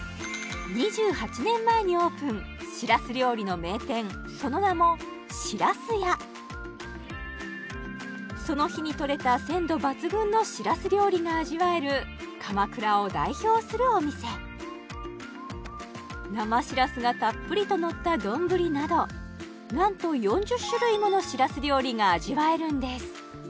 ２８年前にオープンしらす料理の名店その名もしらすやその日にとれた鮮度抜群のしらす料理が味わえる鎌倉を代表するお店生しらすがたっぷりとのった丼など何と４０種類ものしらす料理が味わえるんです